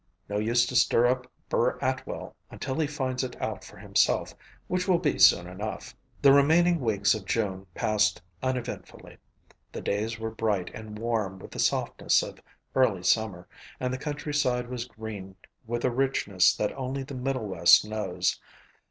No use to stir up Burr Atwell until he finds it out for himself, which will be soon enough." The remaining weeks of June passed uneventfully. The days were bright and warm with the softness of early summer and the countryside was green with a richness that only the middle west knows.